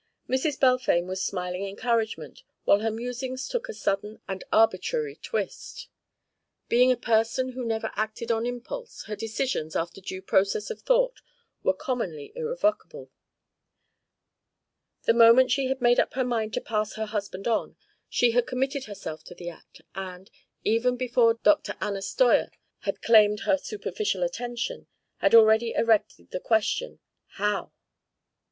Mrs. Balfame was smiling encouragement when her musings took a sudden and arbitrary twist. Being a person who never acted on impulse, her decisions, after due processes of thought, were commonly irrevocable. The moment she had made up her mind to pass her husband on, she had committed herself to the act; and, even before Dr. Anna Steuer had claimed her superficial attention, had already erected the question, How?